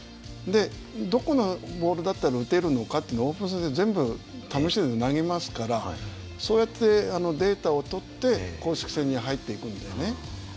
どこのボールだったら打てるのかっていうのをオープン戦で全部試して投げますからそうやってデータを取って公式戦に入っていくんでね。